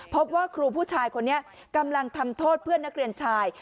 พบว่าครูผู้ชายคนนี้กำลังทำโทษเพื่อนนักเรียนชาย